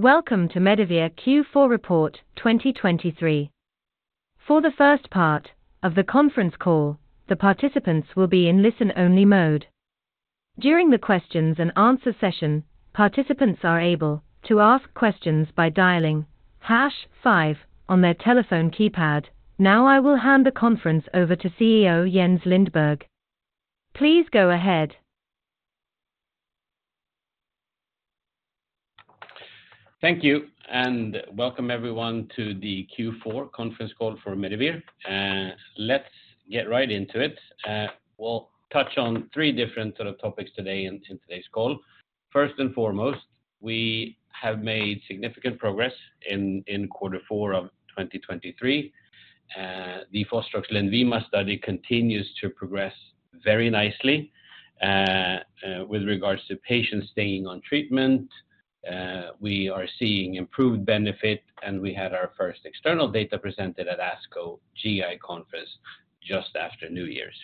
Welcome to Medivir Q4 Report 2023. For the first part of the conference call, the participants will be in listen-only mode. During the questions and answer session, participants are able to ask questions by dialing hash five on their telephone keypad. Now, I will hand the conference over to CEO Jens Lindberg. Please go ahead. Thank you, and welcome everyone to the Q4 conference call for Medivir. Let's get right into it. We'll touch on three different sort of topics today in today's call. First and foremost, we have made significant progress in quarter four of 2023. The Fostrox LENVIMA study continues to progress very nicely. With regards to patients staying on treatment, we are seeing improved benefit, and we had our first external data presented at ASCO GI Conference just after New Year's.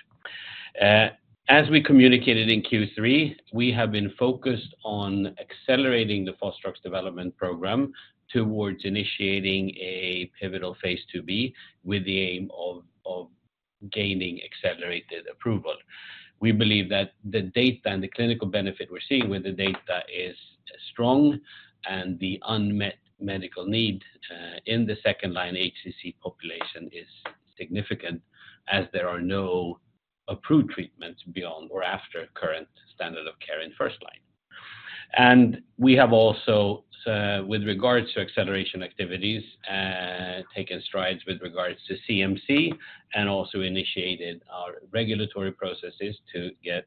As we communicated in Q3, we have been focused on accelerating the Fostrox development program towards initiating a pivotal phase II-B, with the aim of gaining accelerated approval. We believe that the data and the clinical benefit we're seeing with the data is strong, and the unmet medical need in the second-line HCC population is significant as there are no approved treatments beyond or after current standard of care in first line. We have also, with regards to acceleration activities, taken strides with regards to CMC, and also initiated our regulatory processes to get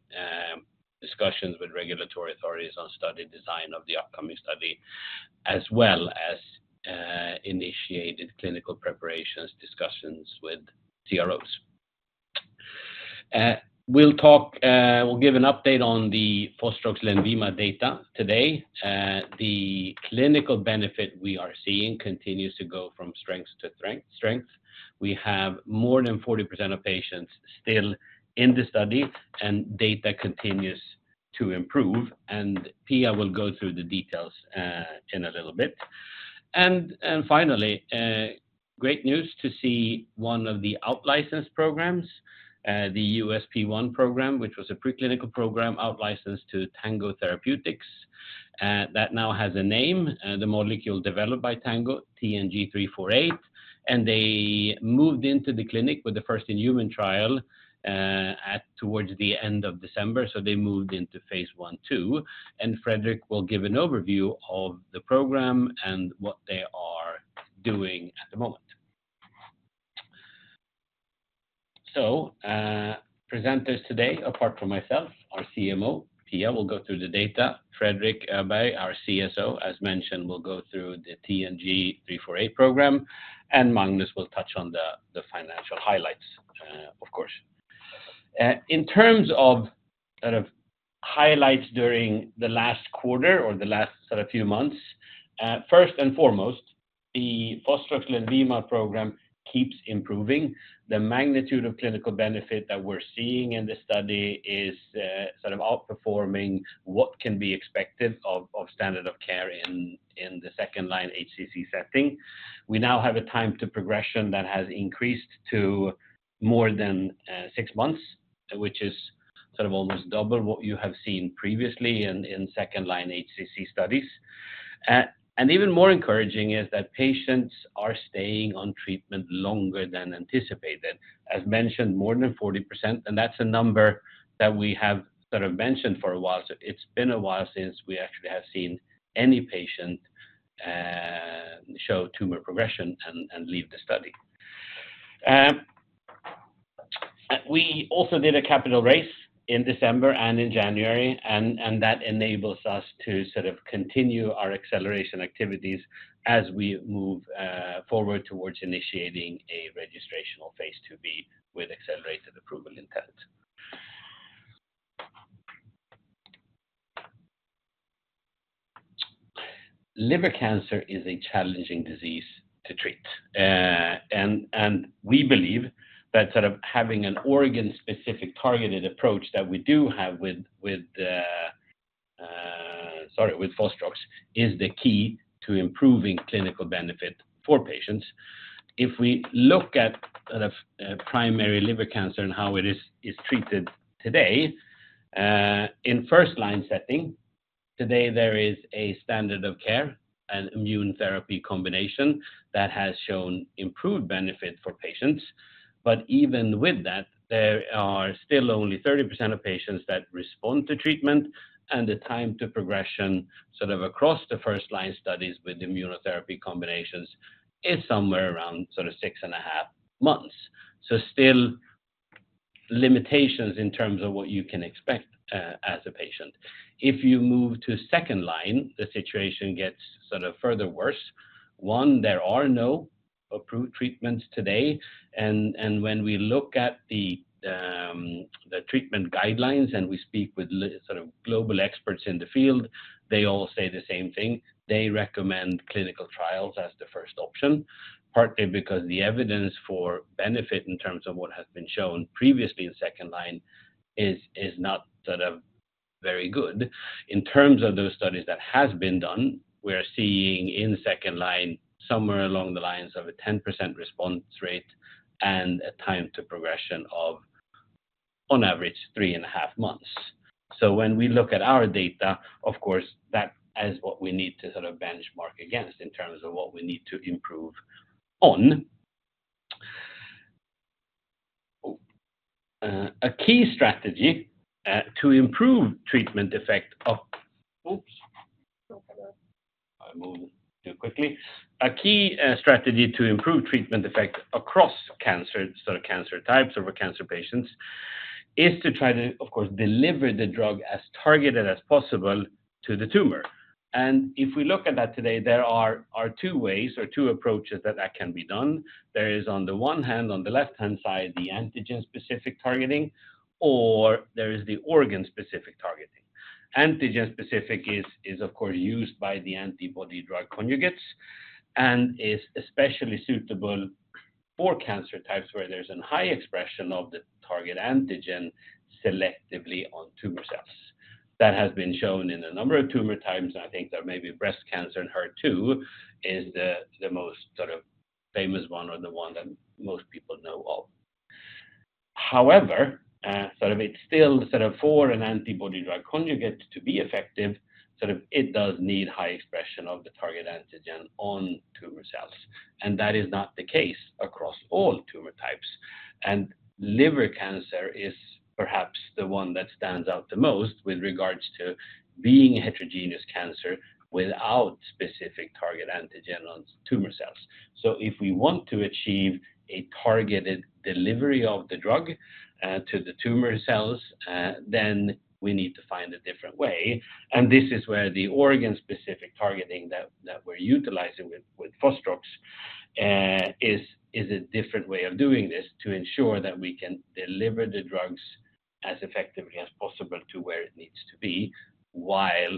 discussions with regulatory authorities on study design of the upcoming study, as well as initiated clinical preparations discussions with CROs. We'll give an update on the Fostrox LENVIMA data today. The clinical benefit we are seeing continues to go from strength to strength. We have more than 40% of patients still in the study, and data continues to improve, and Pia will go through the details in a little bit. Finally, great news to see one of the outlicensed programs, the USP1 program, which was a preclinical program outlicensed to Tango Therapeutics, that now has a name, the molecule developed by Tango, TNG348, and they moved into the clinic with the first-in-human trial at towards the end of December, so they moved into phase I/II, and Fredrik will give an overview of the program and what they are doing at the moment. So, presenters today, apart from myself, our CMO, Pia, will go through the data. Fredrik Öberg, our CSO, as mentioned, will go through the TNG348 program, and Magnus will touch on the financial highlights, of course. In terms of sort of highlights during the last quarter or the last sort of few months, first and foremost, the Fostrox LENVIMA program keeps improving. The magnitude of clinical benefit that we're seeing in this study is sort of outperforming what can be expected of standard of care in the second-line HCC setting. We now have a time to progression that has increased to more than six months, which is sort of almost double what you have seen previously in second-line HCC studies. Even more encouraging is that patients are staying on treatment longer than anticipated. As mentioned, more than 40%, and that's a number that we have sort of mentioned for a while. So it's been a while since we actually have seen any patient show tumor progression and leave the study. We also did a capital raise in December and in January, and that enables us to sort of continue our acceleration activities as we move forward towards initiating a registrational phase II-B with accelerated approval intent. Liver cancer is a challenging disease to treat. And we believe that sort of having an organ-specific targeted approach that we do have with, sorry, with Fostrox, is the key to improving clinical benefit for patients. If we look at sort of primary liver cancer and how it is treated today, in first-line setting, today, there is a standard of care, an immune therapy combination that has shown improved benefit for patients. But even with that, there are still only 30% of patients that respond to treatment, and the time to progression, sort of across the first-line studies with immunotherapy combinations, is somewhere around sort of six and a half months. So still limitations in terms of what you can expect, as a patient. If you move to second line, the situation gets sort of further worse. One, there are no approved treatments today, and when we look at the treatment guidelines and we speak with sort of global experts in the field, they all say the same thing. They recommend clinical trials as the first option, partly because the evidence for benefit in terms of what has been shown previously in second line is not sort of very good. In terms of those studies that has been done, we are seeing in second line, somewhere along the lines of a 10% response rate and a time to progression of, on average, three and a half months. So when we look at our data, of course, that is what we need to sort of benchmark against in terms of what we need to improve on. A key strategy to improve treatment effect across cancer, sort of cancer types or cancer patients, is to try to, of course, deliver the drug as targeted as possible to the tumor. And if we look at that today, there are two ways or two approaches that can be done. There is, on the one hand, on the left-hand side, the antigen-specific targeting, or there is the organ-specific targeting. Antigen-specific is, of course, used by the antibody-drug conjugates and is especially suitable for cancer types where there's a high expression of the target antigen selectively on tumor cells. That has been shown in a number of tumor types, and I think that maybe breast cancer in HER2 is the most sort of famous one or the one that most people know of. However, sort of it's still sort of for an antibody drug conjugate to be effective, sort of it does need high expression of the target antigen on tumor cells, and that is not the case across all tumor types. And liver cancer is perhaps the one that stands out the most with regards to being a heterogeneous cancer without specific target antigen on tumor cells. So if we want to achieve a targeted delivery of the drug to the tumor cells, then we need to find a different way. This is where the organ-specific targeting that we're utilizing with Fostrox is a different way of doing this to ensure that we can deliver the drugs as effectively as possible to where it needs to be, while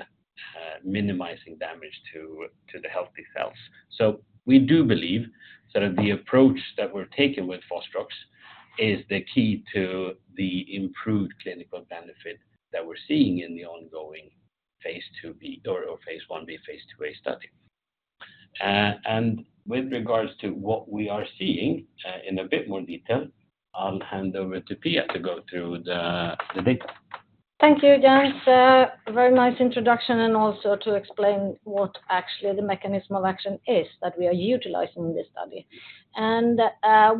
minimizing damage to the healthy cells. So we do believe sort of the approach that we're taking with Fostrox is the key to the improved clinical benefit that we're seeing in the ongoing phase II-B or phase I-B, phase II-A study. And with regards to what we are seeing in a bit more detail, I'll hand over to Pia to go through the data. Thank you, Jens. Very nice introduction and also to explain what actually the mechanism of action is that we are utilizing in this study.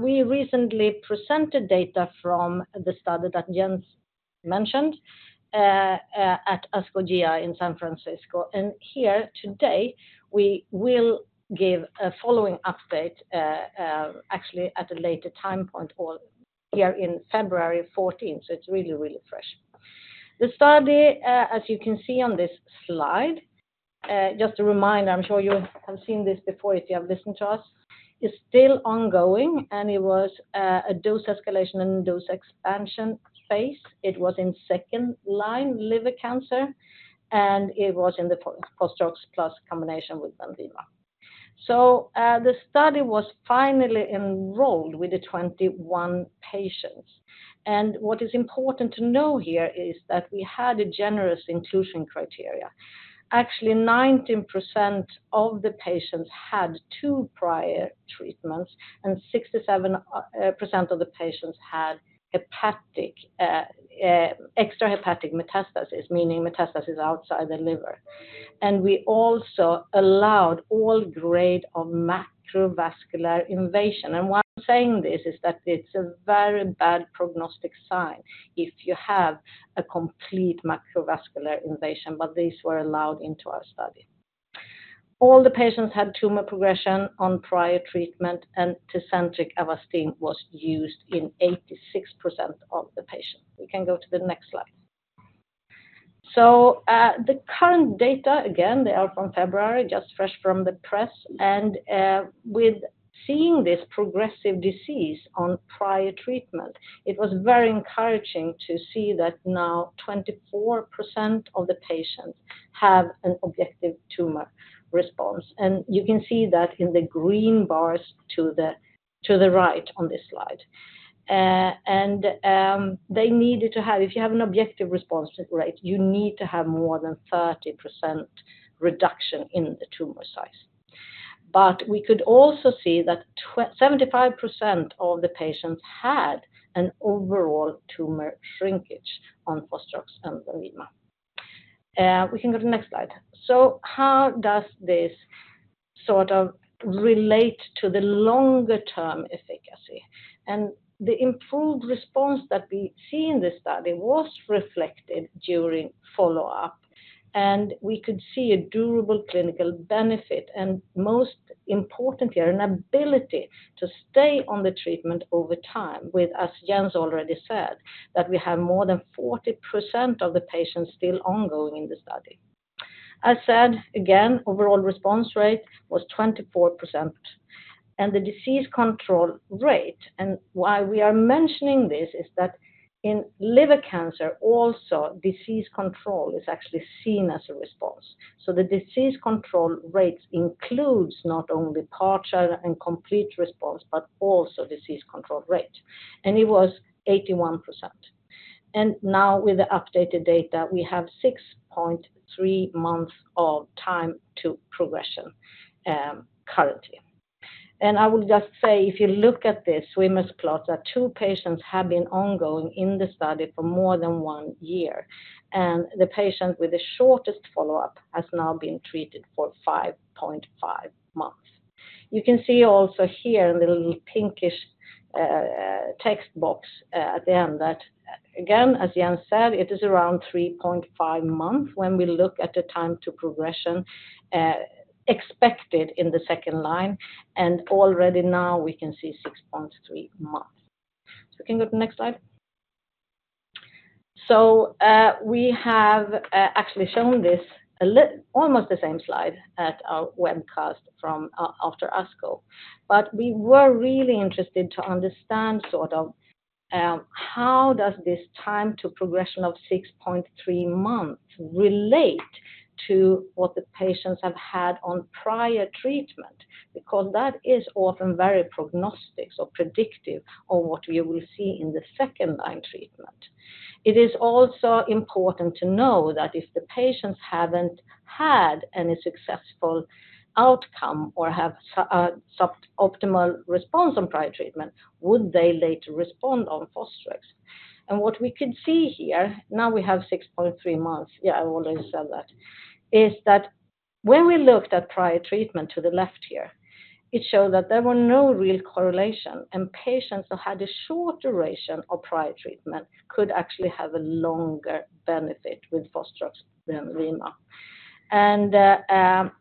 We recently presented data from the study that Jens mentioned at ASCO GI in San Francisco. Here today, we will give a following update actually at a later time point or here in February fourteenth. So it's really, really fresh. The study, as you can see on this slide, just a reminder, I'm sure you have seen this before if you have listened to us, is still ongoing, and it was a dose escalation and dose expansion phase. It was in second-line liver cancer, and it was in the Fostrox plus combination with LENVIMA. So the study was finally enrolled with the 21 patients. What is important to know here is that we had a generous inclusion criteria. Actually, 19% of the patients had two prior treatments, and 67% of the patients had extrahepatic metastasis, meaning metastasis outside the liver. We also allowed all grade of macrovascular invasion. Why I'm saying this is that it's a very bad prognostic sign if you have a complete macrovascular invasion, but these were allowed into our study. All the patients had tumor progression on prior treatment, and TECENTRIQ Avastin was used in 86% of the patients. We can go to the next slide. The current data, again, they are from February, just fresh from the press, and with seeing this progressive disease on prior treatment, it was very encouraging to see that now 24% of the patients have an objective tumor response. You can see that in the green bars to the right on this slide. They needed to have if you have an objective response rate, you need to have more than 30% reduction in the tumor size. But we could also see that 75% of the patients had an overall tumor shrinkage on Fostrox and LENVIMA. We can go to the next slide. So how does this sort of relate to the longer term efficacy? The improved response that we see in this study was reflected during follow-up, and we could see a durable clinical benefit, and most importantly, an ability to stay on the treatment over time with, as Jens already said, that we have more than 40% of the patients still ongoing in the study. As said, again, overall response rate was 24%, and the disease control rate, and why we are mentioning this is that in liver cancer, also disease control is actually seen as a response. So the disease control rates includes not only partial and complete response, but also disease control rate. And it was 81%. And now with the updated data, we have 6.3 months of time to progression, currently. And I will just say, if you look at this swimmers plot, that two patients have been ongoing in the study for more than one year, and the patient with the shortest follow-up has now been treated for 5.5 months. You can see also here a little pinkish text box at the end that, again, as Jens said, it is around 3.5 months when we look at the time to progression expected in the second line, and already now we can see 6.3 months. So we can go to the next slide. So, we have actually shown this almost the same slide at our webcast from after ASCO. But we were really interested to understand sort of how does this time to progression of 6.3 months relate to what the patients have had on prior treatment? Because that is often very prognostics or predictive of what we will see in the second-line treatment. It is also important to know that if the patients haven't had any successful outcome or have suboptimal response on prior treatment, would they later respond on Fostrox? And what we can see here, now we have 6.3 months, I already said that, is that when we looked at prior treatment to the left here, it showed that there were no real correlation, and patients that had a short duration of prior treatment could actually have a longer benefit with Fostrox than LENVIMA. And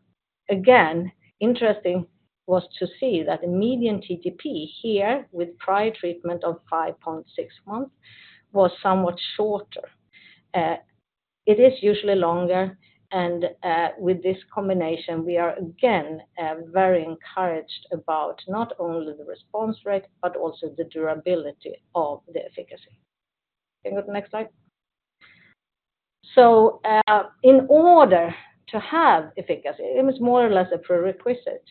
again, interesting was to see that the median TTP here with prior treatment of 5.6 months was somewhat shorter. It is usually longer, and with this combination, we are again very encouraged about not only the response rate, but also the durability of the efficacy. Can you go to the next slide? So, in order to have efficacy, it was more or less a prerequisite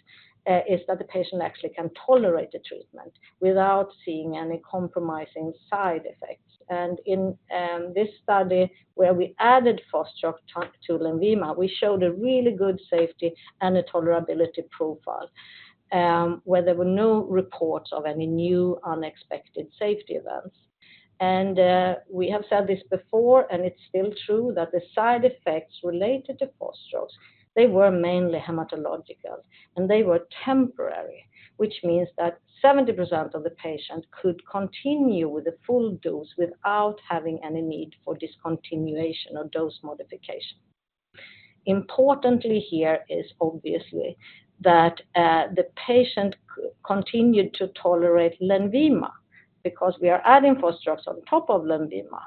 is that the patient actually can tolerate the treatment without seeing any compromising side effects. And in this study where we added Fostrox to LENVIMA, we showed a really good safety and a tolerability profile, where there were no reports of any new unexpected safety events. And we have said this before, and it's still true, that the side effects related to Fostrox, they were mainly hematological, and they were temporary, which means that 70% of the patients could continue with the full dose without having any need for discontinuation or dose modification. Importantly, here is obviously that the patient continued to tolerate LENVIMA because we are adding Fostrox on top of LENVIMA,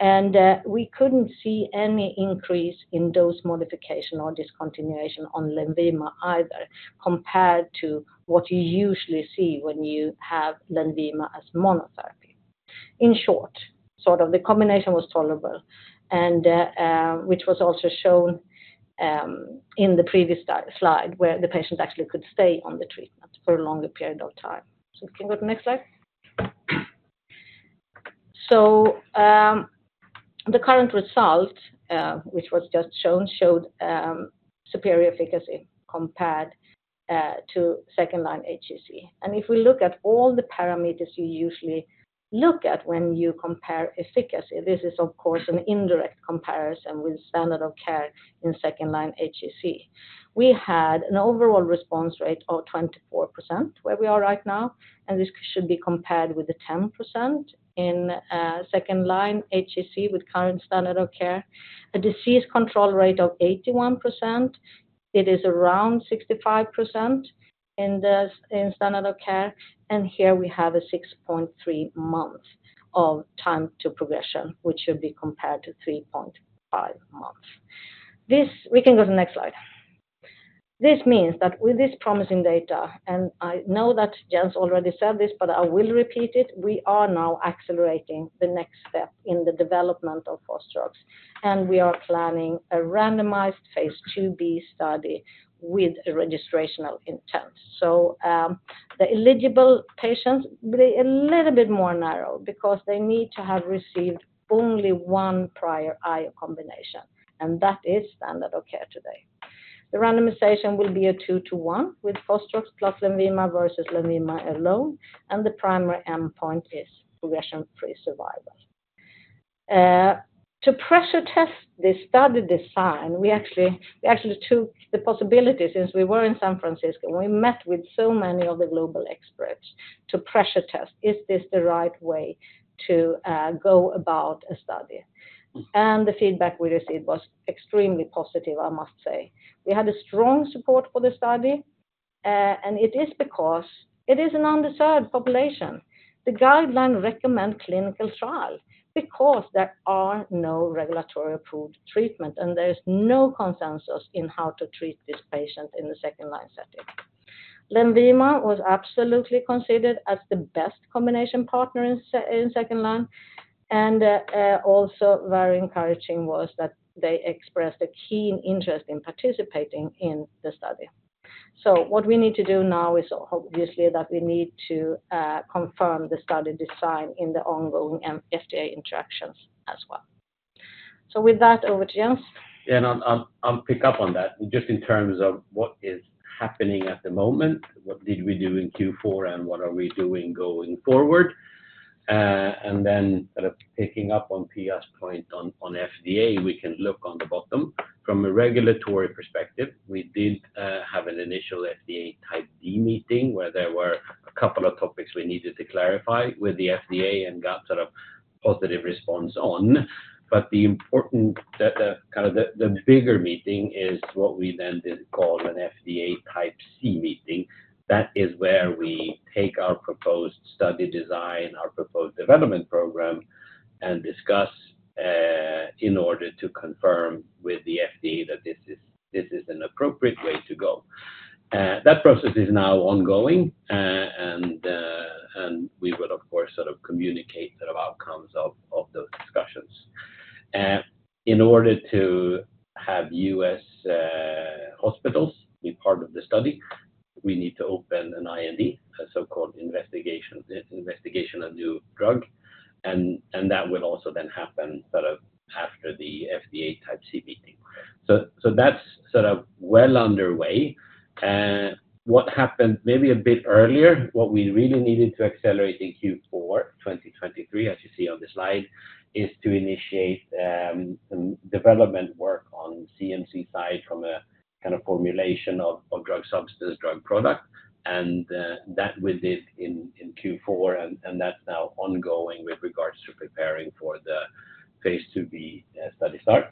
and we couldn't see any increase in dose modification or discontinuation on LENVIMA either, compared to what you usually see when you have LENVIMA as monotherapy. In short, sort of the combination was tolerable, and which was also shown in the previous slide, where the patient actually could stay on the treatment for a longer period of time. So can we go to the next slide? So, the current result, which was just shown, showed superior efficacy compared to second-line HCC. And if we look at all the parameters you usually look at when you compare efficacy, this is of course an indirect comparison with standard of care in second-line HCC. We had an overall response rate of 24%, where we are right now, and this should be compared with the 10% in second-line HCC with current standard of care, a disease control rate of 81%. It is around 65% in the standard of care, and here we have 6.3 months of time to progression, which should be compared to 3.5 months. This. We can go to the next slide. This means that with this promising data, and I know that Jens already said this, but I will repeat it, we are now accelerating the next step in the development of Fostrox, and we are planning a randomized phase II-B study with a registrational intent. The eligible patients will be a little bit more narrow because they need to have received only one prior IO combination, and that is standard of care today. The randomization will be a two to one with Fostrox plus LENVIMA versus LENVIMA alone, and the primary endpoint is progression-free survival. To pressure test this study design, we actually took the possibility, since we were in San Francisco, and we met with so many of the global experts to pressure test is this the right way to go about a study? The feedback we received was extremely positive, I must say. We had a strong support for the study, and it is because it is an underserved population. The guideline recommend clinical trial because there are no regulatory approved treatment, and there is no consensus in how to treat this patient in the second line setting. LENVIMA was absolutely considered as the best combination partner in second line, and also very encouraging was that they expressed a keen interest in participating in the study. So what we need to do now is obviously, that we need to confirm the study design in the ongoing FDA interactions as well. So with that, over to Jens. Yeah, and I'll pick up on that. Just in terms of what is happening at the moment, what did we do in Q4, and what are we doing going forward? And then sort of picking up on Pia's point on FDA, we can look on the bottom. From a regulatory perspective, we did have an initial FDA Type D meeting, where there were a couple of topics we needed to clarify with the FDA and got sort of positive response on. But the important, kind of the bigger meeting is what we then did call an FDA Type C meeting. That is where we take our proposed study design, our proposed development program, and discuss in order to confirm with the FDA that this is an appropriate way to go. That process is now ongoing, and we would, of course, sort of communicate sort of outcomes of those discussions. In order to have U.S. hospitals be part of the study, we need to open an IND, a so-called Investigational New Drug, and that will also then happen sort of after the FDA Type C meeting. So that's sort of well underway. What happened maybe a bit earlier, what we really needed to accelerate in Q4 2023, as you see on the slide, is to initiate development work on CMC side from a kind of formulation of drug substance, drug product, and that we did in Q4, and that's now ongoing with regards to preparing for the phase II-B study start.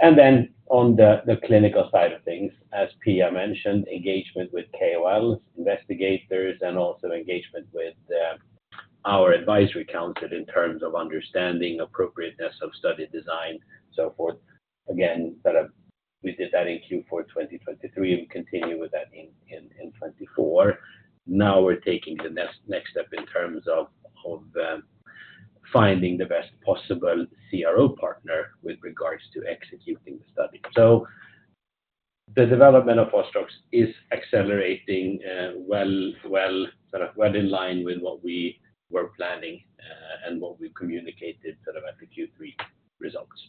Then on the clinical side of things, as Pia mentioned, engagement with KOL investigators and also engagement with our advisory council in terms of understanding appropriateness of study design, so forth. Again, sort of we did that in Q4 2023, and continue with that in 2024. Now, we're taking the next step in terms of finding the best possible CRO partner with regards to executing the study. So the development of Fostrox is accelerating, well, sort of well in line with what we were planning, and what we communicated sort of at the Q3 results.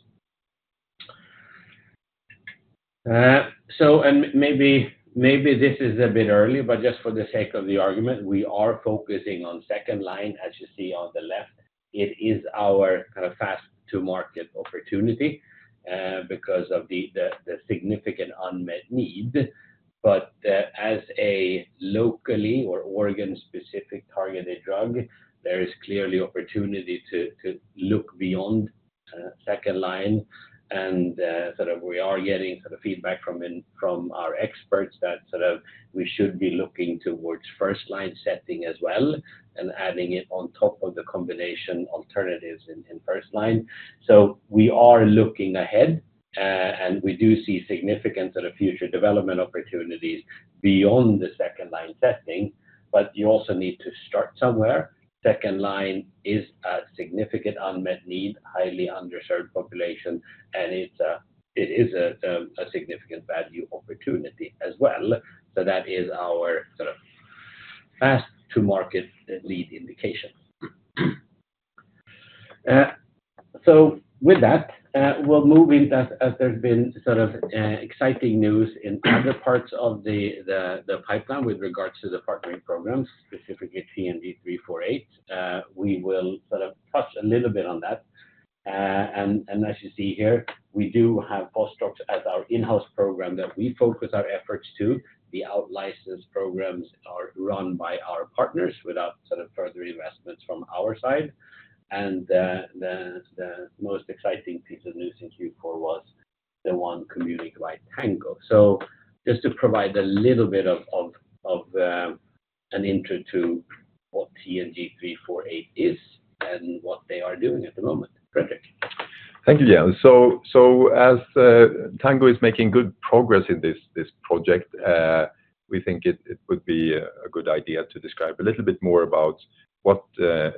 So and maybe this is a bit early, but just for the sake of the argument, we are focusing on second line, as you see on the left. It is our kind of fast to market opportunity, because of the significant unmet need. But as a locally or organ-specific targeted drug, there is clearly opportunity to look beyond second line, and sort of we are getting sort of feedback from our experts that sort of we should be looking towards first line setting as well and adding it on top of the combination alternatives in first line. So we are looking ahead, and we do see significant sort of future development opportunities beyond the second line setting, but you also need to start somewhere. Second line is a significant unmet need, highly underserved population, and it's a significant value opportunity as well. So that is our sort of fast to market lead indication. So with that, we'll move in as there's been sort of exciting news in other parts of the pipeline with regards to the partnering program, specifically TNG348. We will sort of touch a little bit on that. As you see here, we do have Fostrox as our in-house program that we focus our efforts to. The outlicense programs are run by our partners without sort of further investments from our side. The most exciting piece of news in Q4 was the one communicated by Tango. So just to provide a little bit of an intro to what TNG348 is and what they are doing at the moment. Fredrik? Thank you, Jens. So as Tango is making good progress in this project, we think it would be a good idea to describe a little bit more about what a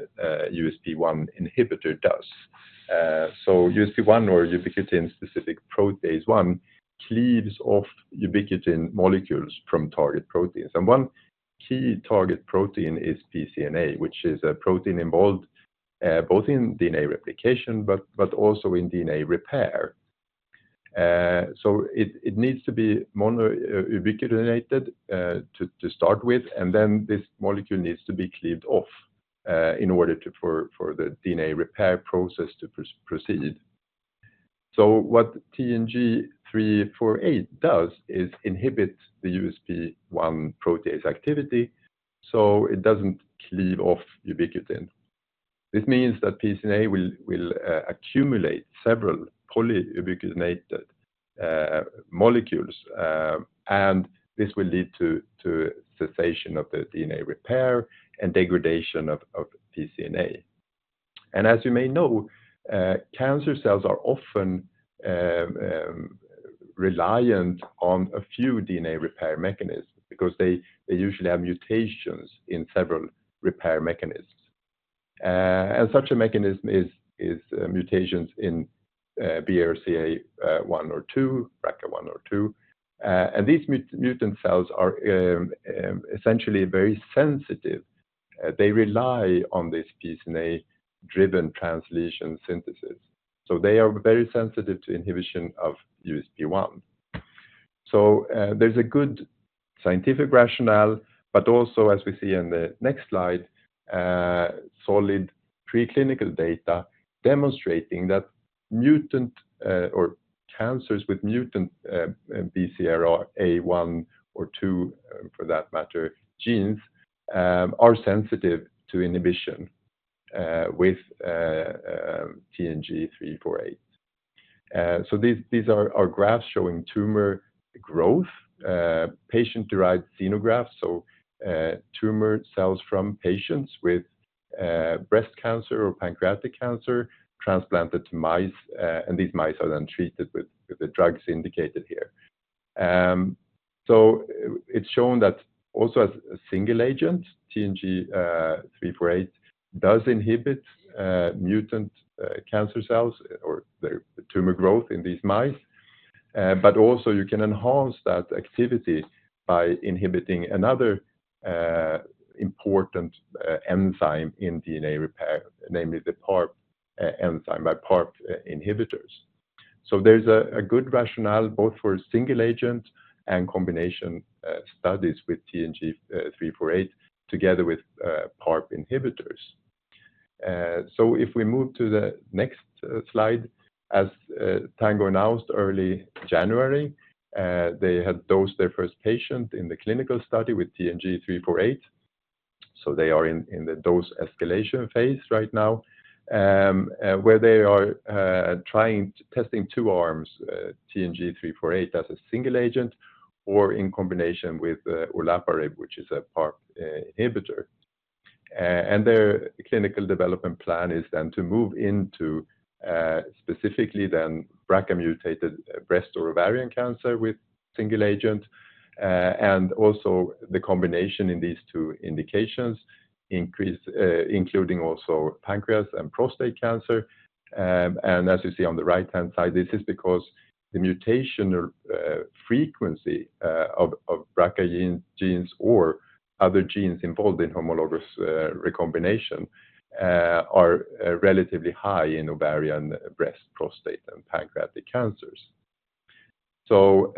USP1 inhibitor does. So USP1, or ubiquitin-specific protease 1, cleaves off ubiquitin molecules from target proteins. And one key target protein is PCNA, which is a protein involved both in DNA replication, but also in DNA repair. So it needs to be monoubiquitinated to start with, and then this molecule needs to be cleaved off in order for the DNA repair process to proceed. So what TNG348 does is inhibit the USP1 protease activity, so it doesn't cleave off ubiquitin. This means that PCNA will accumulate several polyubiquitinated molecules, and this will lead to cessation of the DNA repair and degradation of PCNA. And as you may know, cancer cells are often reliant on a few DNA repair mechanisms because they usually have mutations in several repair mechanisms, and such a mechanism is mutations in BRCA1 or BRCA2. And these mutant cells are essentially very sensitive. They rely on this PCNA-driven translesion synthesis, so they are very sensitive to inhibition of USP1. So, there's a good scientific rationale, but also, as we see in the next slide, solid preclinical data demonstrating that mutant or cancers with mutant BRCA1 or BRCA2, for that matter, genes, are sensitive to inhibition with TNG348. So these are graphs showing tumor growth, patient-derived xenografts, so tumor cells from patients with breast cancer or pancreatic cancer transplanted to mice, and these mice are then treated with the drugs indicated here. So it's shown that also as a single agent, TNG348, does inhibit mutant cancer cells or the tumor growth in these mice. But also you can enhance that activity by inhibiting another important enzyme in DNA repair, namely the PARP enzyme, by PARP inhibitors. So there's a good rationale both for single agent and combination studies with TNG348 together with PARP inhibitors. So if we move to the next slide, as Tango announced early January, they had dosed their first patient in the clinical study with TNG348. So they are in the dose escalation phase right now, where they are testing two arms, TNG348 as a single agent, or in combination with olaparib, which is a PARP inhibitor. And their clinical development plan is then to move into, specifically then BRCA-mutated breast or ovarian cancer with single agent, and also the combination in these two indications, increasingly including also pancreas and prostate cancer. And as you see on the right-hand side, this is because the mutation or frequency of BRCA genes or other genes involved in homologous recombination are relatively high in ovarian, breast, prostate, and pancreatic cancers. So,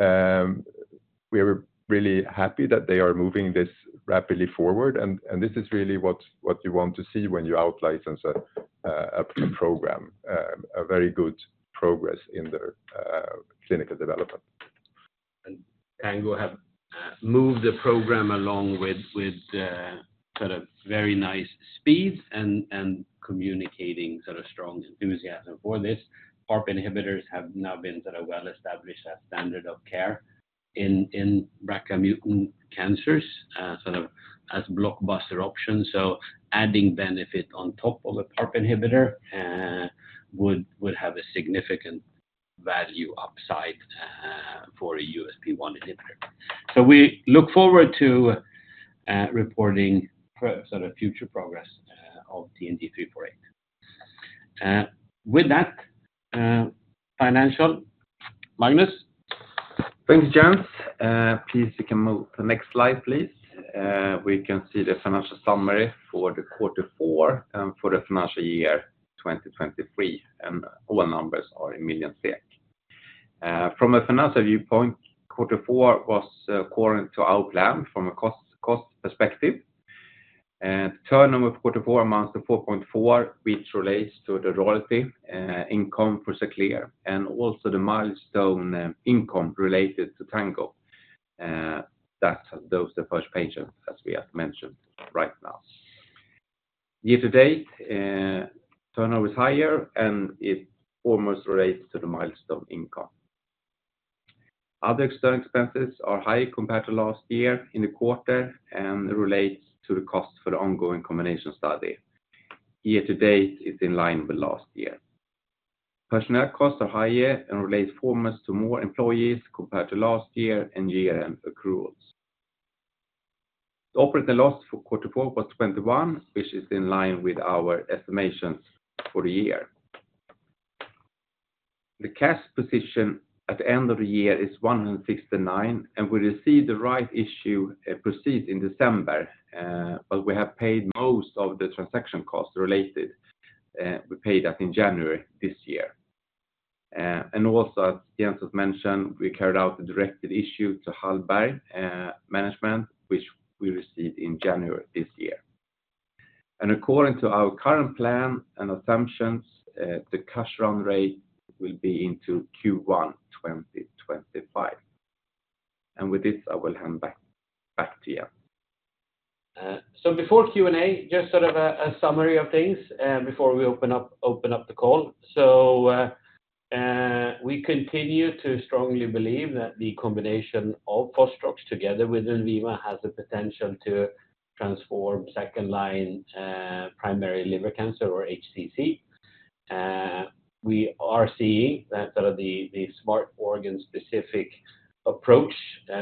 we are really happy that they are moving this rapidly forward, and this is really what you want to see when you out-license a program, a very good progress in their clinical development. Tango have moved the program along with sort of very nice speed and communicating sort of strong enthusiasm for this. PARP inhibitors have now been sort of well established as standard of care in BRCA mutant cancers, sort of as blockbuster options. So adding benefit on top of the PARP inhibitor would have a significant value upside for a USP1 inhibitor. So we look forward to reporting pro sort of future progress of TNG348. With that, financial, Magnus? Thank you, Jens. Please, you can move the next slide, please. We can see the financial summary for quarter four, for the financial year 2023, and all numbers are in million SEK. From a financial viewpoint, quarter four was according to our plan from a cost perspective. Turnover quarter four amounts to 4.4 million, which relates to the royalty income for XALKORI, and also the milestone income related to Tango. Those are the first patients, as we have mentioned right now. Year to date, turnover is higher, and it almost relates to the milestone income. Other external expenses are high compared to last year in the quarter, and it relates to the cost for the ongoing combination study. Year to date, it's in line with last year. Personnel costs are higher and relate foremost to more employees compared to last year and year-end accruals. The operating loss for quarter four was 21 million, which is in line with our estimations for the year. The cash position at the end of the year is 169 million, and we received the rights issue proceeds in December, but we have paid most of the transaction costs related. We paid that in January this year. And also, as Jens has mentioned, we carried out the directed issue to Hallberg Management, which we received in January this year. And according to our current plan and assumptions, the cash run rate will be into Q1 2025. And with this, I will hand back to you. So before Q&A, just sort of a summary of things before we open up the call. So, we continue to strongly believe that the combination of Fostrox together with LENVIMA has the potential to transform second-line primary liver cancer or HCC. We are seeing that sort of the smart organ-specific approach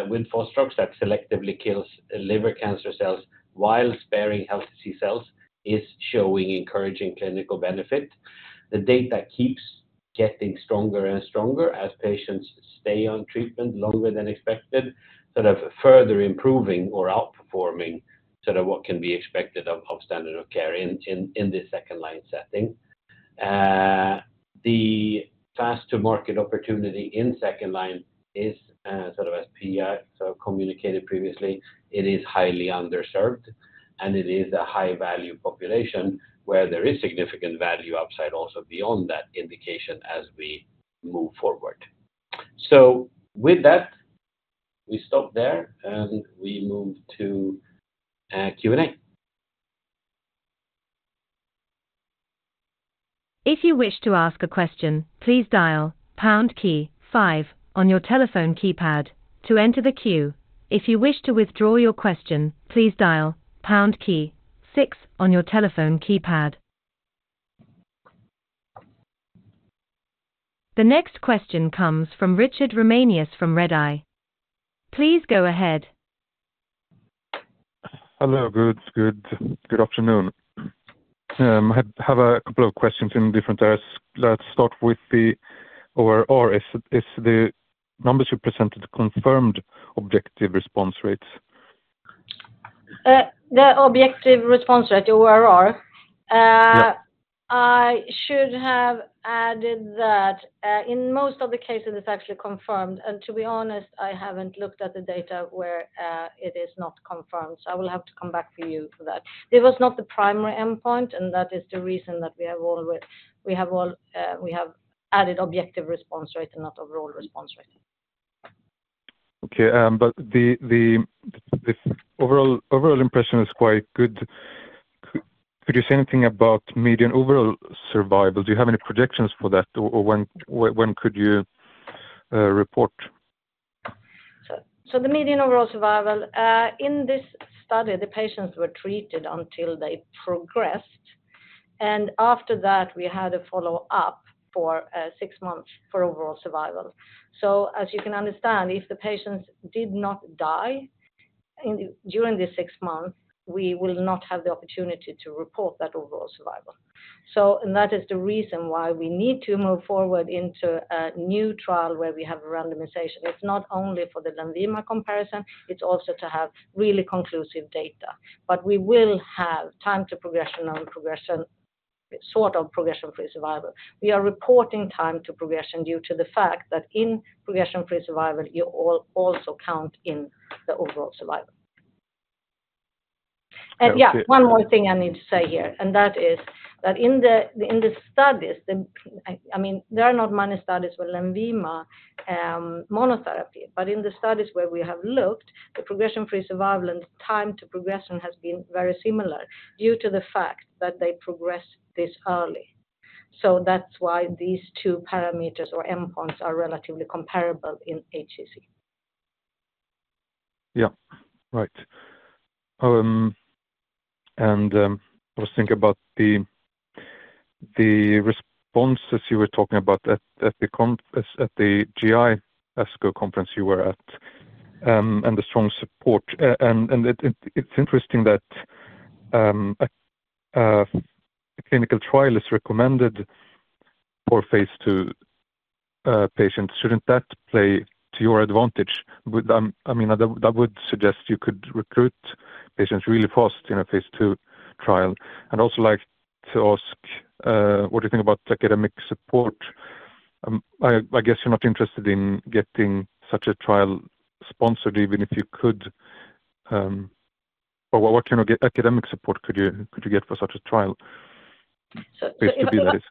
with Fostrox that selectively kills liver cancer cells while sparing healthy cells is showing encouraging clinical benefit. The data keeps getting stronger and stronger as patients stay on treatment longer than expected, sort of further improving or outperforming sort of what can be expected of standard of care in this second-line setting. The fast to market opportunity in second line is sort of as PI sort of communicated previously. It is highly underserved, and it is a high value population where there is significant value upside also beyond that indication as we move forward. So with that, we stop there, and we move to Q&A. If you wish to ask a question, please dial pound key five on your telephone keypad to enter the queue. If you wish to withdraw your question, please dial pound key six on your telephone keypad. The next question comes from Richard Ramanius from Redeye. Please go ahead. Hello. Good, good. Good afternoon. I have a couple of questions in different areas. Let's start with the ORR. Is the numbers you presented confirmed objective response rates? The objective response rate, ORR? Yeah. I should have added that, in most of the cases, it's actually confirmed, and to be honest, I haven't looked at the data where it is not confirmed, so I will have to come back to you for that. It was not the primary endpoint, and that is the reason that we have always. We have all, we have added objective response rate and not overall response rate. Okay, but the overall impression is quite good. Could you say anything about median overall survival? Do you have any projections for that, or when could you report? So the median overall survival in this study, the patients were treated until they progressed, and after that, we had a follow-up for six months for overall survival. So as you can understand, if the patients did not die in during this six months, we will not have the opportunity to report that overall survival. And that is the reason why we need to move forward into a new trial where we have a randomization. It's not only for the LENVIMA comparison, it's also to have really conclusive data. But we will have time to progression on progression, sort of progression-free survival. We are reporting time to progression due to the fact that in progression-free survival, you also count in the overall survival. Okay. And yeah, one more thing I need to say here, and that is that in the studies, I mean, there are not many studies with LENVIMA monotherapy, but in the studies where we have looked, the progression-free survival and time to progression has been very similar due to the fact that they progress this early. So that's why these two parameters or endpoints are relatively comparable in HCC. Yeah. Right. And I was thinking about the responses you were talking about at the GI ASCO conference you were at, and the strong support. And it's interesting that a clinical trial is recommended for phase II patients. Shouldn't that play to your advantage? I mean, that would suggest you could recruit patients really fast in a phase II trial. I'd also like to ask what do you think about academic support? I guess you're not interested in getting such a trial sponsored, even if you could, but what kind of academic support could you get for such a trial? So if I. Just to be with it.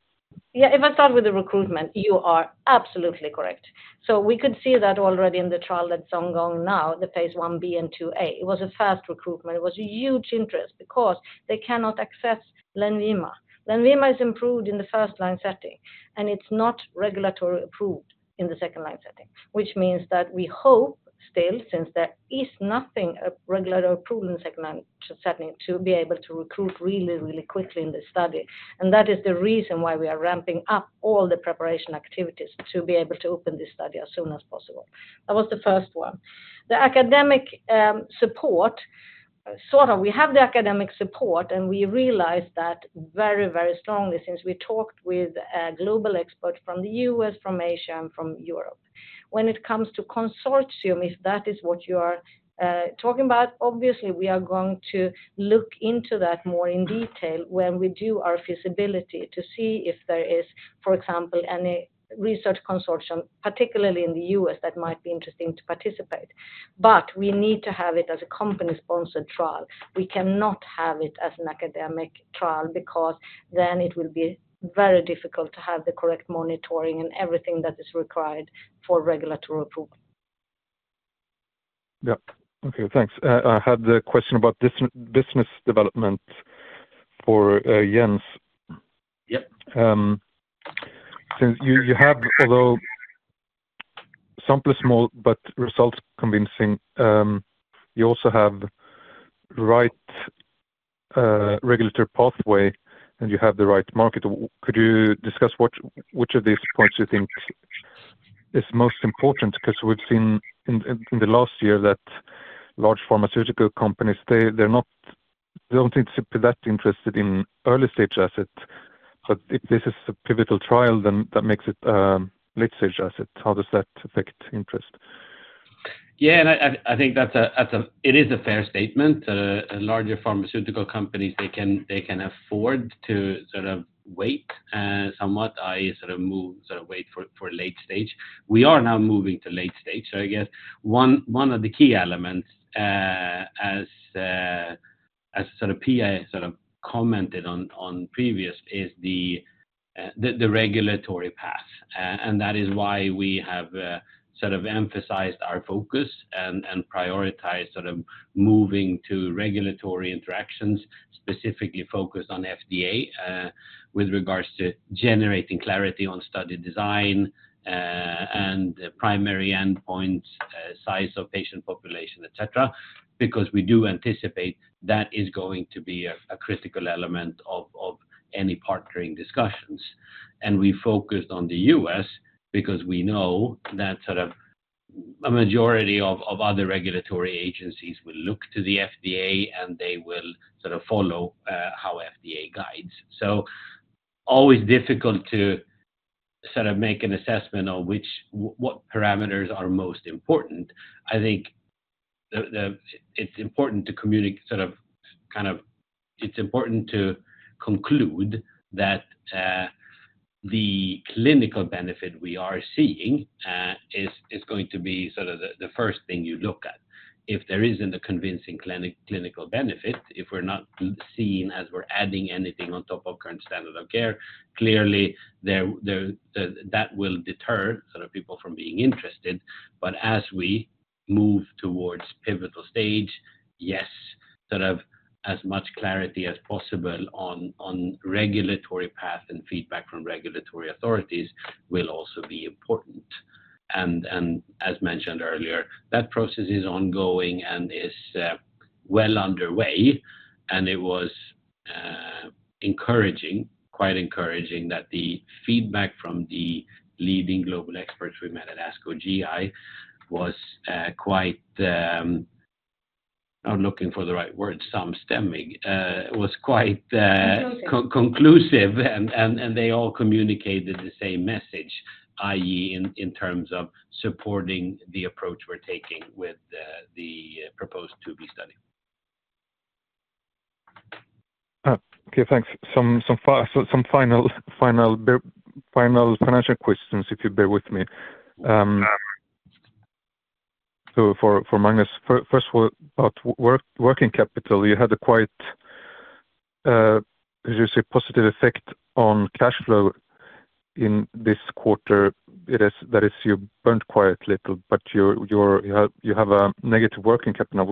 Yeah, if I start with the recruitment, you are absolutely correct. So we could see that already in the trial that's ongoing now, the phase I-B and II-A. It was a fast recruitment. It was a huge interest because they cannot access LENVIMA. LENVIMA is improved in the first line setting, and it's not regulatory approved in the second line setting, which means that we hope still, since there is nothing, regulatory approved in the second line setting, to be able to recruit really, really quickly in this study. And that is the reason why we are ramping up all the preparation activities to be able to open this study as soon as possible. That was the first one. The academic support, sort of we have the academic support, and we realized that very, very strongly since we talked with global experts from the U.S., from Asia, and from Europe. When it comes to consortium, if that is what you are talking about, obviously, we are going to look into that more in detail when we do our feasibility to see if there is, for example, any research consortium, particularly in the U.S., that might be interesting to participate. But we need to have it as a company-sponsored trial. We cannot have it as an academic trial because then it will be very difficult to have the correct monitoring and everything that is required for regulatory approval. Yeah. Okay, thanks. I had a question about business development for Jens. Yep. Since you have, although sample is small, but results convincing. You also have the right regulatory pathway, and you have the right market. Could you discuss which of these points you think is most important? Because we've seen in the last year that large pharmaceutical companies, they don't seem to be that interested in early-stage assets, but if this is a pivotal trial, then that makes it late-stage asset. How does that affect interest? Yeah, and I think that's a. It is a fair statement. Larger pharmaceutical companies, they can afford to sort of wait somewhat, i.e., sort of move, sort of wait for late stage. We are now moving to late stage, so I guess one of the key elements, as Pia commented on previously, is the regulatory path. And that is why we have emphasized our focus and prioritized moving to regulatory interactions, specifically focused on FDA, with regards to generating clarity on study design and primary endpoint, size of patient population, et cetera. Because we do anticipate that is going to be a critical element of any partnering discussions. And we focused on the U.S. because we know that sort of a majority of other regulatory agencies will look to the FDA, and they will sort of follow how FDA guides. So always difficult to sort of make an assessment on what parameters are most important. I think it's important to sort of, kind of. It's important to conclude that the clinical benefit we are seeing is going to be sort of the first thing you look at. If there isn't a convincing clinical benefit, if we're not seen as we're adding anything on top of current standard of care, clearly, that will deter sort of people from being interested. But as we move towards pivotal stage, yes, sort of as much clarity as possible on regulatory path and feedback from regulatory authorities will also be important. And as mentioned earlier, that process is ongoing and is well underway, and it was encouraging, quite encouraging that the feedback from the leading global experts we met at ASCO GI was quite. I'm looking for the right word, something. It was quite conclusive, and they all communicated the same message, i.e., in terms of supporting the approach we're taking with the proposed to-be study. Okay, thanks. Some final financial questions, if you bear with me. Sure. So, for Magnus, first of all, about working capital, you had a quite, as you say, positive effect on cash flow in this quarter. That is, you burned quite little, but you have a negative working capital. Now,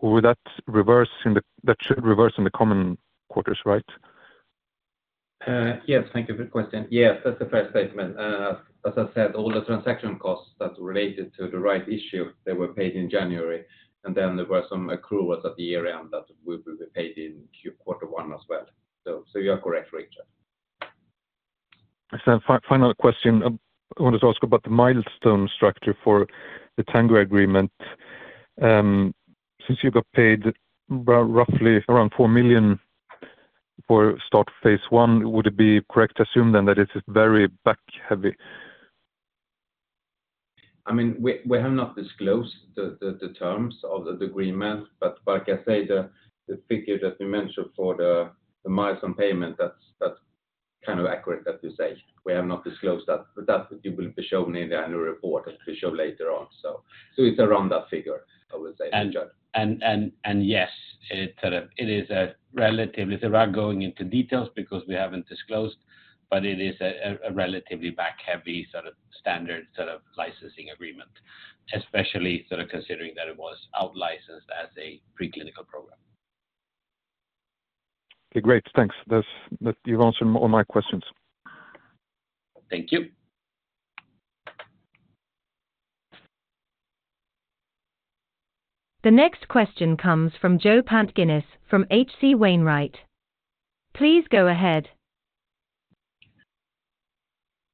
would that reverse in the coming quarters, right? Yes, thank you for the question. Yes, that's a fair statement. As I said, all the transaction costs that related to the rights issue, they were paid in January, and then there were some accruals at the year-end that will be paid in quarter one as well. So, you are correct, Richard. So final question. I wanted to ask about the milestone structure for the Tango agreement. Since you got paid roughly around 4 million for start phase I, would it be correct to assume then that it is very back heavy? I mean, we have not disclosed the terms of the agreement, but like I said, the figure that you mentioned for the milestone payment, that's kind of accurate, that you say. We have not disclosed that, but that will be shown in the annual report, as we show later on. So, it's around that figure, I would say, Richard. Yes, it sort of, it is a relatively. Without going into details because we haven't disclosed, but it is a relatively back-heavy, sort of standard, sort of licensing agreement, especially sort of considering that it was outlicensed as a preclinical program. Okay, great. Thanks. That you've answered all my questions. Thank you. The next question comes from Joe Pantginis, from H.C. Wainwright. Please go ahead.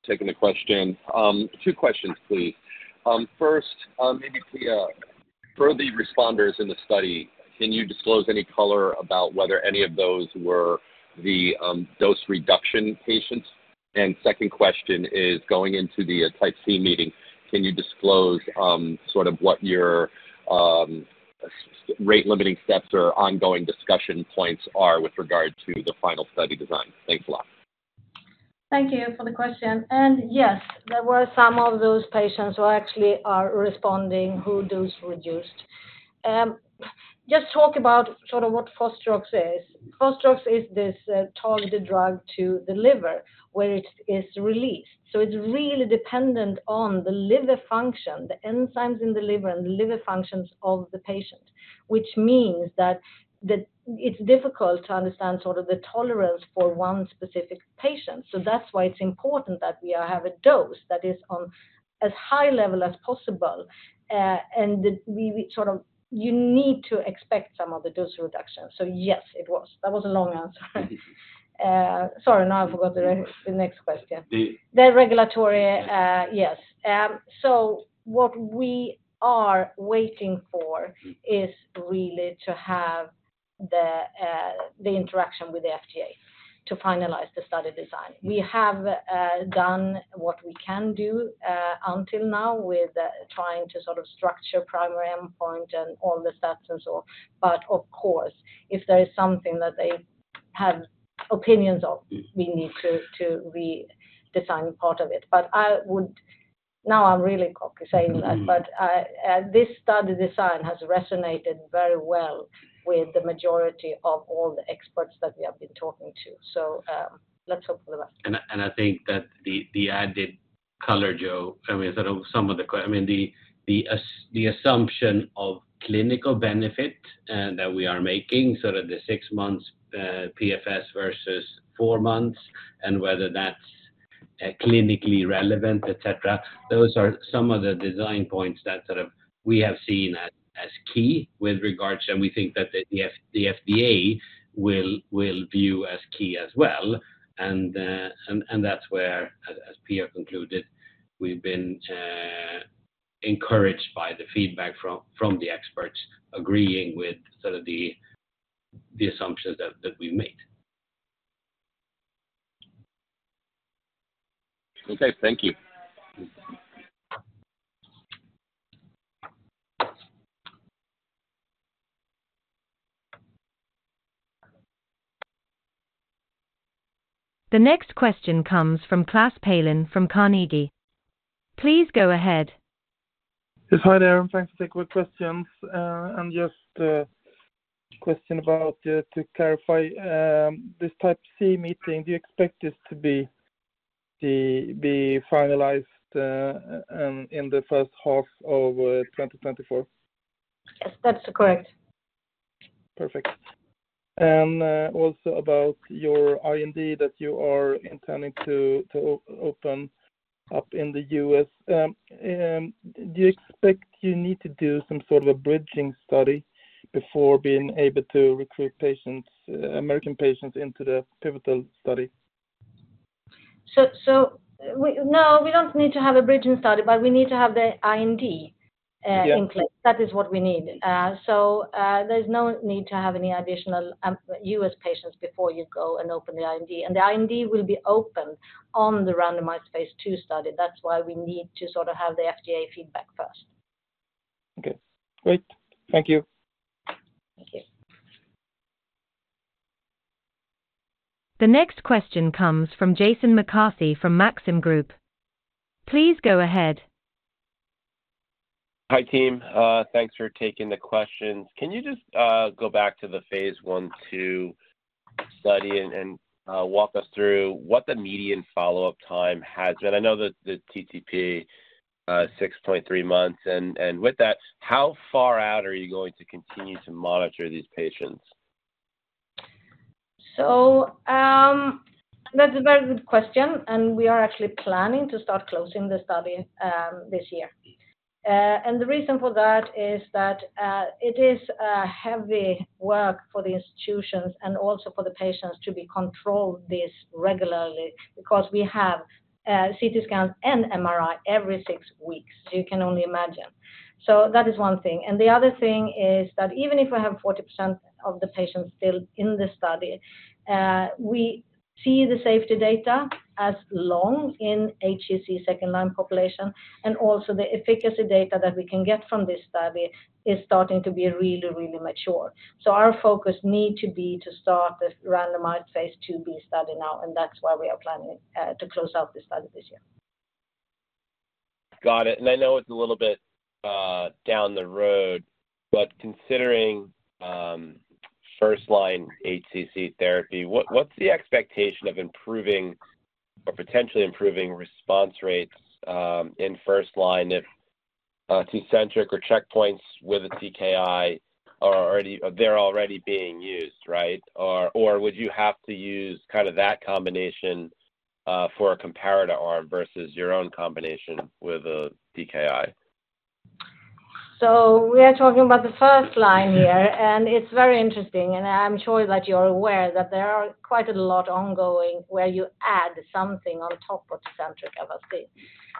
Taking the question. Two questions, please. First, maybe, Pia, for the responders in the study, can you disclose any color about whether any of those were the dose reduction patients? And second question is, going into the Type C meeting, can you disclose sort of what your rate-limiting steps or ongoing discussion points are with regard to the final study design? Thanks a lot. Thank you for the question. Yes, there were some of those patients who actually are responding, who dose reduced. Just talk about sort of what Fostrox is. Fostrox is this targeted drug to the liver, where it is released. So it's really dependent on the liver function, the enzymes in the liver, and the liver functions of the patient, which means that it's difficult to understand sort of the tolerance for one specific patient. So that's why it's important that we have a dose that is on as high level as possible, and that we sort of you need to expect some of the dose reduction. So yes, it was. That was a long answer. Sorry, now I forgot the next question. The regulatory, yes. So what we are waiting for is really to have the, the interaction with the FDA to finalize the study design. We have, done what we can do, until now with, trying to sort of structure primary endpoint and all the stats and so on. But of course, if there is something that they have opinions of we need to redesign part of it. But I would. Now, I'm really saying that. This study design has resonated very well with the majority of all the experts that we have been talking to. Let's hope for the best. I think that the added color, Joe, I mean, sort of some of the I mean, the assumption of clinical benefit that we are making, sort of the six months PFS versus four months, and whether that's clinically relevant, et cetera, those are some of the design points that sort of we have seen as key with regards, and we think that the FDA will view as key as well. And that's where, as Pia concluded, we've been encouraged by the feedback from the experts, agreeing with sort of the assumptions that we've made. Okay, thank you. The next question comes from Klas Palin from Carnegie. Please go ahead. Yes, hi there, and thanks for taking my questions. And just a question about to clarify this Type C meeting, do you expect this to be finalized in the first half of 2024? Yes, that's correct. Perfect. And, also about your IND that you are intending to open up in the U.S. Do you expect you need to do some sort of a bridging study before being able to recruit patients, American patients into the pivotal study? So, we don't need to have a bridging study, but we need to have the IND. Yeah. In place. That is what we need. So, there's no need to have any additional U.S. patients before you go and open the IND. And the IND will be opened on the randomized phase II study. That's why we need to sort of have the FDA feedback first. Okay, great. Thank you. Thank you. The next question comes from Jason McCarthy from Maxim Group. Please go ahead. Hi, team. Thanks for taking the questions. Can you just go back to the phase I, II study and walk us through what the median follow-up time has been? I know that the TTP 6.3 months, and with that, how far out are you going to continue to monitor these patients? So, that's a very good question, and we are actually planning to start closing the study, this year. And the reason for that is that it is heavy work for the institutions and also for the patients to be controlled this regularly, because we have CT scans and MRI every six weeks. So you can only imagine. So that is one thing. And the other thing is that even if we have 40% of the patients still in the study, we see the safety data as long in HCC second-line population, and also the efficacy data that we can get from this study is starting to be really, really mature. So our focus need to be to start this randomized phase II-B study now, and that's why we are planning to close out the study this year. Got it. I know it's a little bit down the road, but considering first line HCC therapy, what's the expectation of improving or potentially improving response rates in first line if TECENTRIQ or checkpoints with a TKI are already being used, right? Or would you have to use kind of that combination for a comparator arm versus your own combination with a TKI? So we are talking about the first line here, and it's very interesting, and I'm sure that you're aware that there are quite a lot ongoing where you add something on top of TECENTRIQ Avastin.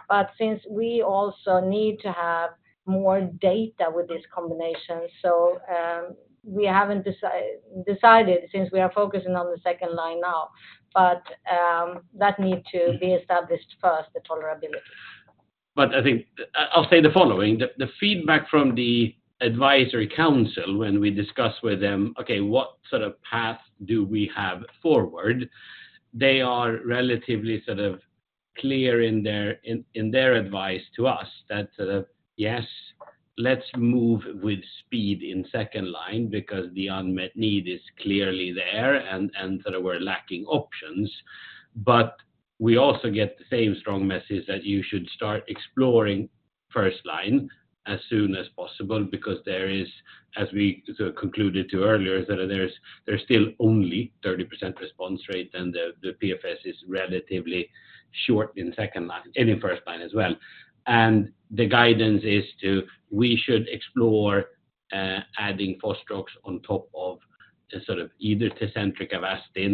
But since we also need to have more data with this combination, so we haven't decided since we are focusing on the second line now, but that need to be established first, the tolerability. But I think, I'll say the following: the feedback from the advisory council when we discussed with them, "Okay, what sort of path do we have forward?" They are relatively sort of clear in their advice to us that, "Yes, let's move with speed in second line because the unmet need is clearly there, and sort of we're lacking options." But we also get the same strong message that you should start exploring first line as soon as possible, because there is, as we sort of concluded to earlier, that there is- there's still only 30% response rate, and the PFS is relatively short in second line, and in first line as well. And the guidance is to, we should explore adding Fostrox on top of a sort of either TECENTRIQ Avastin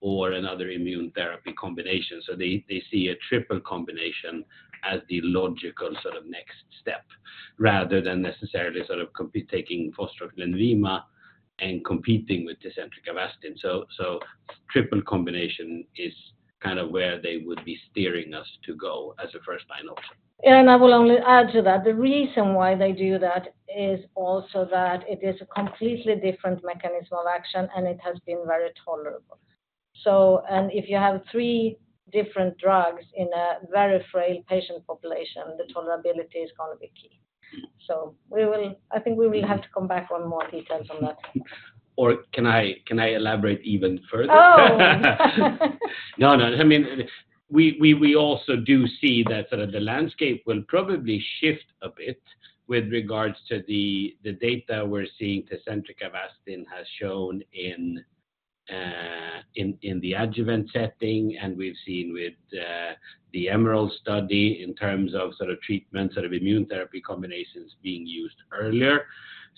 or another immune therapy combination. So they see a triple combination as the logical sort of next step, rather than necessarily sort of competing, taking Fostrox LENVIMA and competing with TECENTRIQ Avastin. So, triple combination is kind of where they would be steering us to go as a first-line option. I will only add to that. The reason why they do that is also that it is a completely different mechanism of action, and it has been very tolerable. So, and if you have three different drugs in a very frail patient population, the tolerability is going to be key. I think we will have to come back on more details on that. Or can I elaborate even further? Oh! No, no, I mean, we also do see that sort of the landscape will probably shift a bit with regards to the data we're seeing TECENTRIQ Avastin has shown in the adjuvant setting, and we've seen with the Emerald study in terms of sort of treatment, sort of immune therapy combinations being used earlier.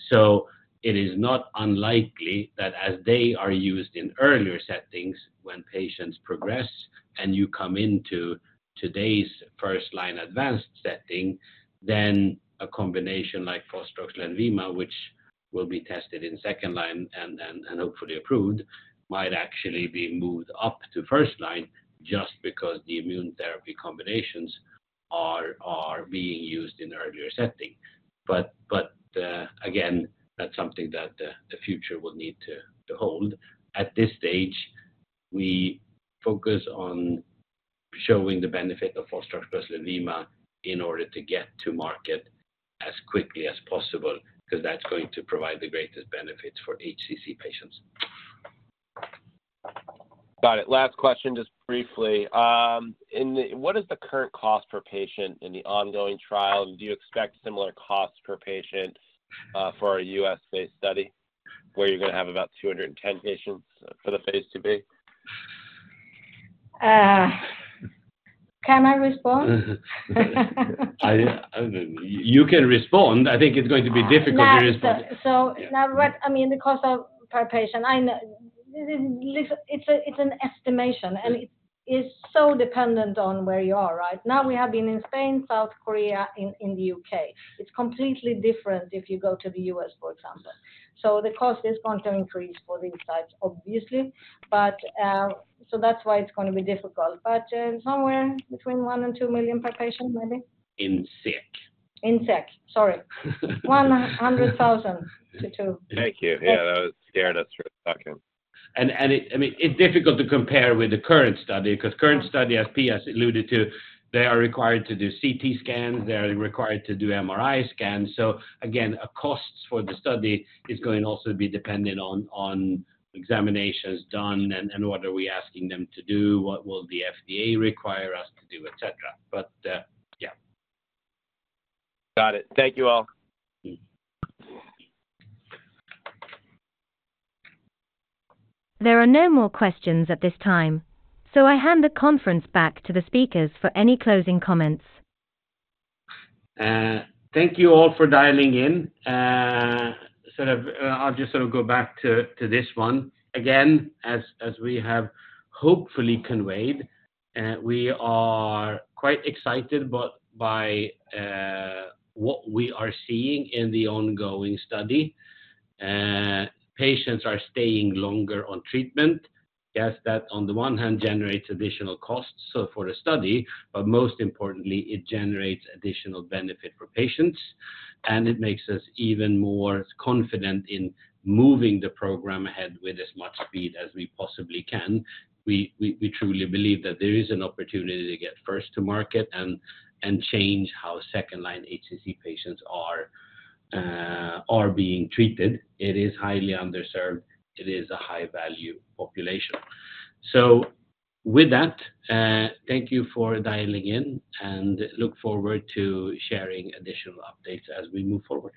So it is not unlikely that as they are used in earlier settings, when patients progress and you come into today's first line advanced setting, then a combination like Fostrox LENVIMA, which will be tested in second line and then, and hopefully approved, might actually be moved up to first line just because the immune therapy combinations are being used in earlier setting. But, again, that's something that the future will need to hold. At this stage, we focus on showing the benefit of Fostrox plus LENVIMA in order to get to market as quickly as possible, because that's going to provide the greatest benefit for HCC patients. Got it. Last question, just briefly. What is the current cost per patient in the ongoing trial? Do you expect similar costs per patient for a U.S.-based study, where you're going to have about 210 patients for the phase II-B? Can I respond? You can respond. I think it's going to be difficult to respond. So now, I mean, the cost per patient, I know. It's an estimation, and it is so dependent on where you are, right? Now, we have been in Spain, South Korea, and in the U.K. It's completely different if you go to the U.S., for example. So the cost is going to increase for these sites, obviously, but so that's why it's going to be difficult. But somewhere between 1 million and 2 million per patient, maybe. In SEK. In SEK, sorry. 100,000-200,000. Thank you. Yeah, that scared us for a second. And it, I mean, it's difficult to compare with the current study, because current study, as Pia has alluded to, they are required to do CT scans, they are required to do MRI scans. So again, a cost for the study is going to also be dependent on examinations done and what are we asking them to do, what will the FDA require us to do, et cetera. But, yeah. Got it. Thank you, all. There are no more questions at this time, so I hand the conference back to the speakers for any closing comments. Thank you all for dialing in. Sort of, I'll just sort of go back to this one. Again, as we have hopefully conveyed, we are quite excited but by what we are seeing in the ongoing study. Patients are staying longer on treatment. Yes, that on the one hand generates additional costs, so for a study, but most importantly, it generates additional benefit for patients, and it makes us even more confident in moving the program ahead with as much speed as we possibly can. We truly believe that there is an opportunity to get first to market and change how second-line HCC patients are being treated. It is highly underserved, it is a high-value population. So with that, thank you for dialing in, and look forward to sharing additional updates as we move forward.